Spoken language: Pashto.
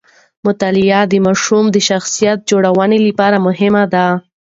مطالعه د ماشوم د شخصیت جوړونې لپاره مهمه ده.